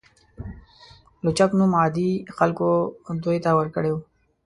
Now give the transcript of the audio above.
لوچک نوم عادي خلکو دوی ته ورکړی و.